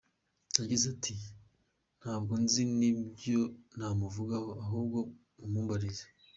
Yagize ati ”Ntabwo nzi nta n’ibyo namuvugaho, ahubwo mumumbarize.